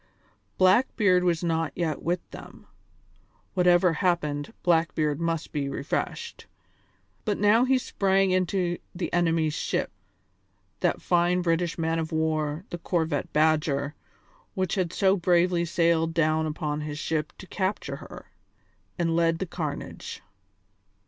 Blackbeard was not yet with them whatever happened, Blackbeard must be refreshed but now he sprang into the enemy's ship that fine British man of war, the corvette Badger, which had so bravely sailed down upon his ship to capture her and led the carnage.